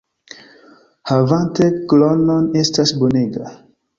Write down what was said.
Havante klonon estas bonega!